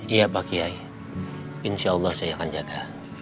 iya pak kiai insya allah saya akan jaga